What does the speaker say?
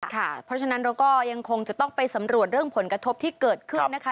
เพราะฉะนั้นเราก็ยังคงจะต้องไปสำรวจเรื่องผลกระทบที่เกิดขึ้นนะคะ